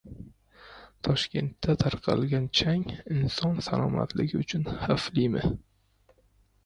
Toshkentda tarqalgan chang inson salomatligi uchun xavflimi?